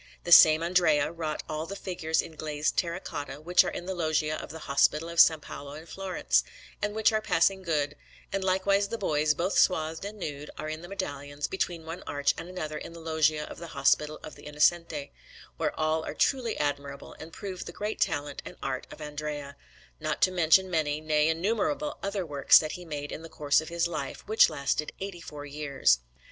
The same Andrea wrought all the figures in glazed terra cotta which are in the Loggia of the Hospital of S. Paolo in Florence, and which are passing good; and likewise the boys, both swathed and nude, that are in the medallions between one arch and another in the Loggia of the Hospital of the Innocenti, which are all truly admirable and prove the great talent and art of Andrea; not to mention many, nay, innumerable other works that he made in the course of his life, which lasted eighty four years.